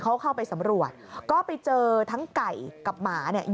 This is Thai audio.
เขาเข้าไปสำรวจก็ไปเจอทั้งไก่กับหมาเนี่ย